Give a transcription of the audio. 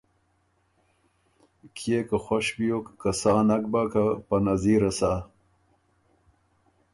کيې که خوش بيوک که سا نک بۀ که په نظیره سۀ۔